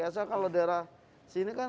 biasanya kalau daerah sini kan